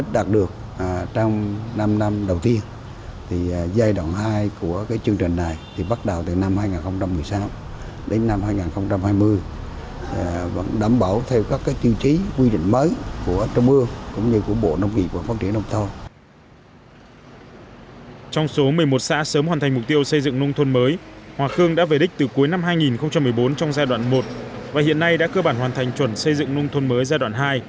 trong số một mươi một xã sớm hoàn thành mục tiêu xây dựng nông thôn mới hòa khương đã về đích từ cuối năm hai nghìn một mươi bốn trong giai đoạn một và hiện nay đã cơ bản hoàn thành chuẩn xây dựng nông thôn mới giai đoạn hai